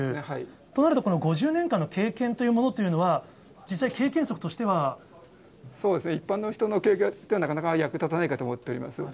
となると、この５０年間の経験というものというのは、実際、一般の人の経験では、なかなか役に立たないかと思っております。